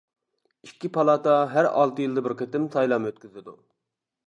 ئىككى پالاتا ھەر ئالتە يىلدا بىر قېتىم سايلام ئۆتكۈزىدۇ.